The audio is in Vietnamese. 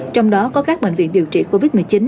trong đó có các bệnh viện điều trị covid một mươi chín